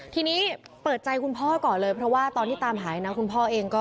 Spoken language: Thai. ทีนี้เปิดใจคุณพ่อก่อนเลยเพราะว่าตอนที่ตามหายนะคุณพ่อเองก็